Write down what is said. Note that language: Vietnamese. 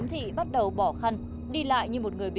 em đi xin tiền cho con em ốm